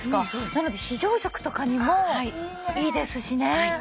なので非常食とかにもいいですしね。